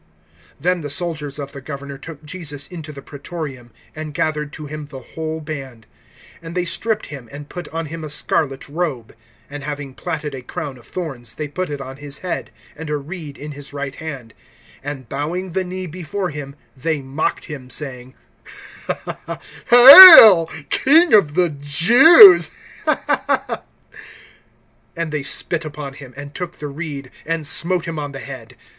(27)Then the soldiers of the governor took Jesus into the Pretorium, and gathered to him the whole band. (28)And they stripped him, and put on him a scarlet robe. (29)And having platted a crown of thorns, they put it on his head, and a reed in his right hand; and bowing the knee before him, they mocked him, saying: Hail, King of the Jews! (30)And they spit upon him, and took the reed, and smote him on the head.